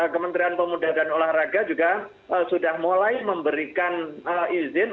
kementerian pemuda dan olahraga juga sudah mulai memberikan izin